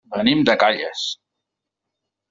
Venim de Calles.